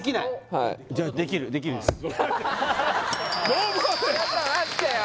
はいちょっと待ってよ